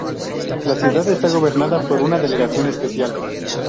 La ciudad está gobernada por una delegación especial.